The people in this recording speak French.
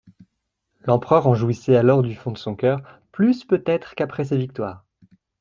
L'empereur en jouissait alors du fond de son cœur, plus peut-être qu'après ses victoires.